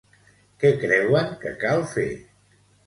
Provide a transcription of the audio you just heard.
Què creuen que cal fer?